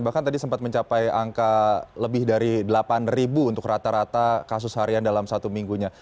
bahkan tadi sempat mencapai angka lebih dari delapan ribu untuk rata rata kasus harian dalam satu minggunya